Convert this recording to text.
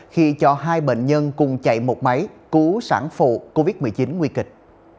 khi cho hai bệnh nhân cùng chạy một máy cứu sản phụ covid một mươi chín nguy kịch